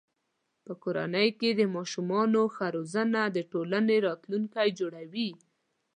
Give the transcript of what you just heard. په کورنۍ کې د ماشومانو ښه روزنه د ټولنې راتلونکی جوړوي.